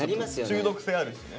中毒性あるしね。